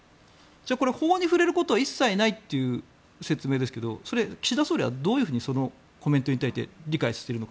これは法に触れることは一切ないという説明ですがそれ、岸田総理はどういうふうにコメントに対して理解しているのか。